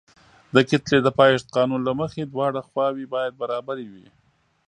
د کتلې د پایښت قانون له مخې دواړه خواوې باید برابرې وي.